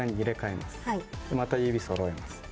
また指をそろえます。